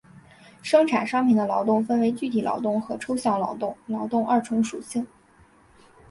生产商品的劳动分为具体劳动和抽象劳动二重属性。